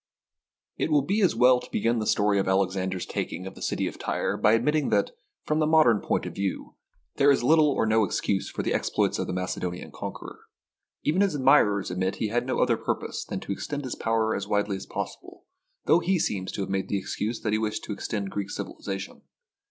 IT will be as well to begin the story of Alex ander's taking the city of Tyre by admitting that, from the modern point of view, there is little or no excuse for the exploits of the Macedon ian conqueror. Even his admirers admit he had no other purpose than to extend his power as widely as possible, though he seems to have made the ex cuse that he wished to extend Greek civilisation.